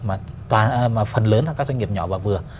mà phần lớn là các doanh nghiệp nhỏ và vừa